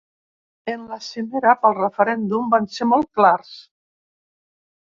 En la cimera –pel referèndum— vam ser molt clars.